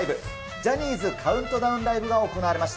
ジャニーズカウントダウンライブが行われました。